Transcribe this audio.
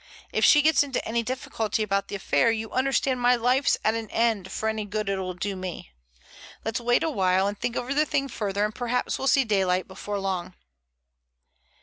If she gets into any difficulty about the affair, you understand my life's at an end for any good it'll do me. Let's wait a while and think over the thing further, and perhaps we'll see daylight before long."